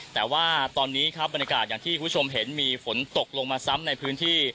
แต่ว่าตอนนี้ครับบรรยากาศอย่างที่คุณผู้ชมเห็นมีฝนตกลงมาซ้ำในพื้นที่